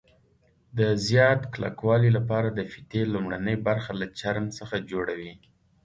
د زیات کلکوالي لپاره د فیتې لومړنۍ برخه له چرم څخه جوړوي.